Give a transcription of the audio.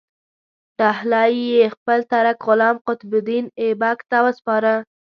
ډهلی یې خپل ترک غلام قطب الدین ایبک ته وسپاره.